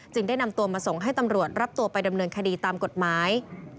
ได้นำตัวมาส่งให้ตำรวจรับตัวไปดำเนินคดีตามกฎหมาย